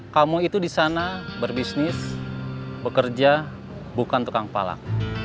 kamu itu di sana berbisnis bekerja bukan tukang palak